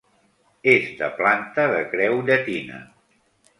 És de planta de creu llatina.